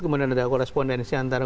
kemudian ada korespondensi antara